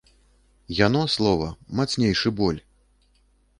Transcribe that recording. Яно, слова, мацнейшы боль!